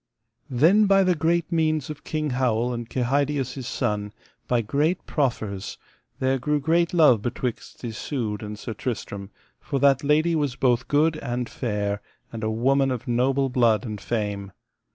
Then by the great means of King Howel and Kehydius his son, by great proffers, there grew great love betwixt Isoud and Sir Tristram, for that lady was both good and fair, and a woman of noble blood and fame.